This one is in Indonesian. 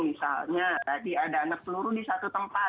misalnya tadi ada anak peluru di satu tempat